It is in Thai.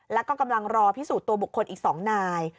แล้วก็กำลังรอพิสูจน์ตัวบุคคลอีก๒นาย